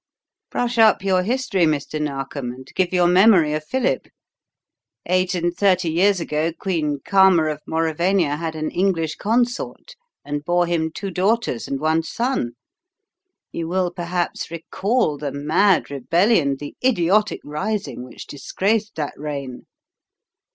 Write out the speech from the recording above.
Brush up your history, Mr. Narkom, and give your memory a fillip. Eight and thirty years ago Queen Karma of Mauravania had an English consort and bore him two daughters, and one son. You will perhaps recall the mad rebellion, the idiotic rising which disgraced that reign.